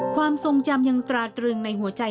ความทรงจำยังตราตรึงในหัวใจ